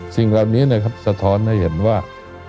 สิ่งแบบนี้สะท้อนให้เห็นว่า